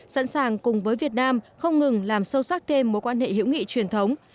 sẵn sàng cùng với việt nam không ngừng làm sâu sắc thêm mối quan hệ hữu nghị truyền thống